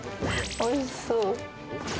おいしそう！